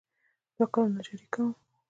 دوه کاله نجاري کوم.